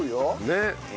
ねっ。